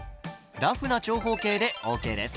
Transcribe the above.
ラフな長方形でＯＫです。